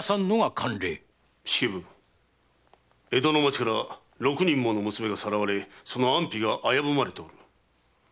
式部江戸の町から六人もの娘がさらわれ安否が危ぶまれておる。